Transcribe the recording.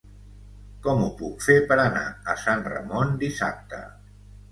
Com ho puc fer per anar a Sant Ramon dissabte?